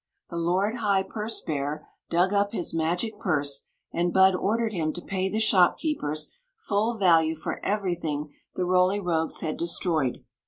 The lord high purse bearer dug up his magic purse, and Bud ordered him to pay the shopkeepers full value for everything the Roly Rogues had destroyed.